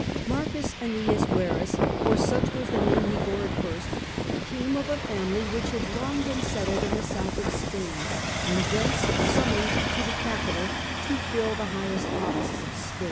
M. Annius Verus, for such was the name he bore at first, came of a family which had long been settled in the south of Spain, and thence sum moned to the Gipital to fill the highest offices of state.